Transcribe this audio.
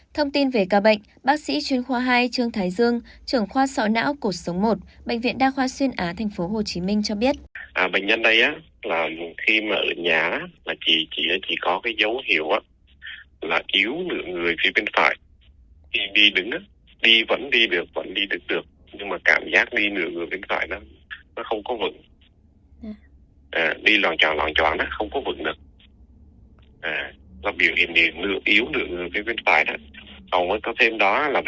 thông tin về ca bệnh bác sĩ chuyên khoa hai trương thái dương trưởng khoa sọ não cuộc sống một bệnh viện đa khoa xuyên á tp hcm cho biết